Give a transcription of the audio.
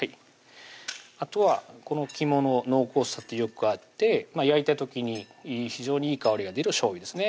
あとはこの肝の濃厚さとよく合って焼いた時に非常にいい香りが出るしょうゆですね